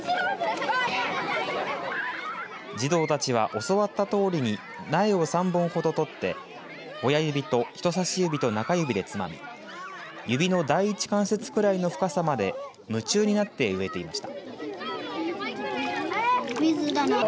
児童たちは教わったとおりに苗を３本ほど取って親指と人さし指と中指でつまみ指の第１関節くらいの深さまで夢中になって植えていました。